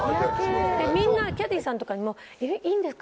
でみんなキャディーさんとかにも「いいんですか？